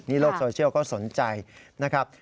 โลกโซเชียลก็สนใจนะครับ